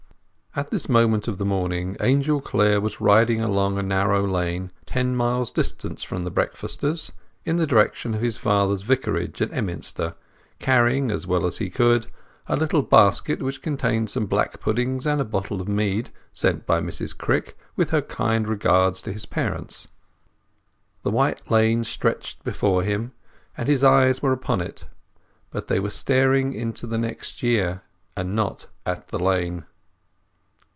At this moment of the morning Angel Clare was riding along a narrow lane ten miles distant from the breakfasters, in the direction of his father's Vicarage at Emminster, carrying, as well as he could, a little basket which contained some black puddings and a bottle of mead, sent by Mrs Crick, with her kind respects, to his parents. The white lane stretched before him, and his eyes were upon it; but they were staring into next year, and not at the lane.